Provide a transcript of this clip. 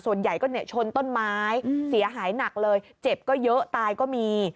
ส่วนใหญ่ก็ชนต้นไม้เสียหายหนักเลยเจ็บก็เยอะตายก็มี